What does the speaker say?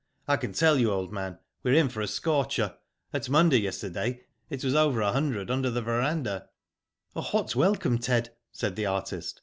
I can tell you, old man, we're in for a scorcher. At Munda yesterday, it was over a hundred under the verandah." A hot welcome, Ted," said the artist.